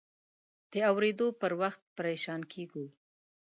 د اورېدو پر وخت پریشان کېږو.